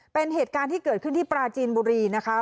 เป็นเหตุการณ์ที่เกิดขึ้นที่ปราจีนบุรีนะคะ